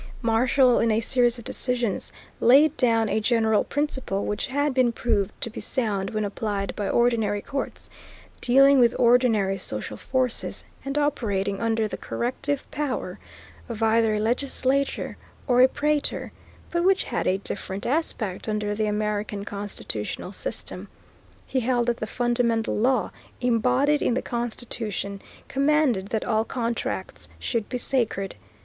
Marshall, in a series of decisions, laid down a general principle which had been proved to be sound when applied by ordinary courts, dealing with ordinary social forces, and operating under the corrective power of either a legislature or a praetor, but which had a different aspect under the American constitutional system. He held that the fundamental law, embodied in the Constitution, commanded that all contracts should be sacred.